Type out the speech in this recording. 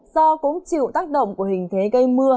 do cũng chịu tác động của hình thế gây mưa